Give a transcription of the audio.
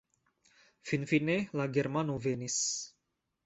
Finfine la germano venis.